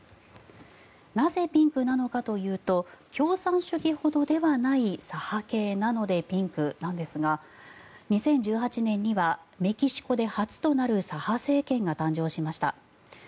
なぜピンクなのかというと共産主義ほどではない左派系なので、ピンクなんですが２０１８年にはメキシコで初となる左派政権が誕生しました。